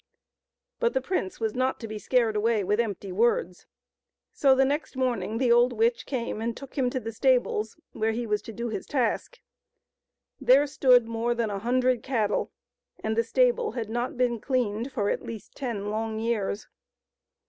But the prince was not to be scared away with empty words. So the next morning the old witch came and took him to the stables where he was to do his task. There stood more than a hundred cattle, and the stable had not been cleaned for at least ten long years.